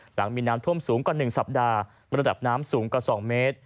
หลังมีน้ำท่วมสูงกว่า๑สัปดาห์ระดับน้ำสูงกว่า๒เมตร